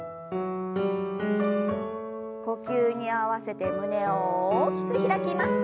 呼吸に合わせて胸を大きく開きます。